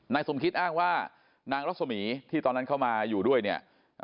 สมคิดอ้างว่านางรสมีที่ตอนนั้นเข้ามาอยู่ด้วยเนี่ย